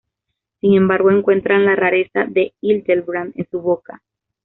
Sin embargo, encuentran la rareza de Hildebrand en su boca.